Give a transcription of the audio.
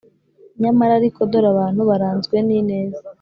Nyamara ariko, dore abantu baranzwe n’ineza,